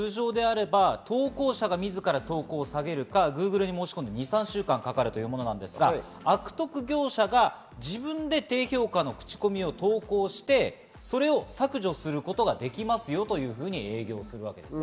投稿者が自ら投稿を下げるか、Ｇｏｏｇｌｅに申し込んで２３週間かかるものですが、悪徳業者が自分で低評価の口コミを投稿してそれを削除することができますよというふうに営業します。